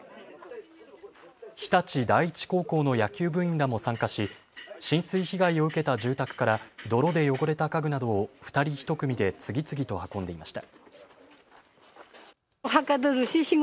日立第一高校の野球部員らも参加し浸水被害を受けた住宅から泥で汚れた家具などを２人１組で次々と運んでいました。